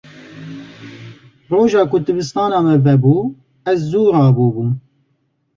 Roja ku dibistana me vebû, ez zû rabûbûm.